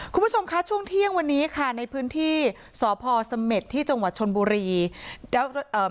คุณผู้ชมคะช่วงเที่ยงวันนี้ค่ะในพื้นที่สพเสม็จที่จชนบุรี